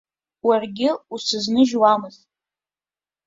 Уаргьы усызныжьуамызт.